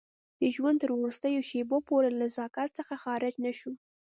د ژوند تر وروستیو شېبو پورې له نزاکت څخه خارج نه شو.